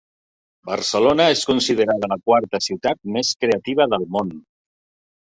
Barcelona és considerada la quarta ciutat més creativa del món.